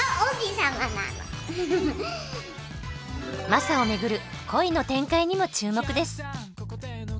マサを巡る恋の展開にも注目です。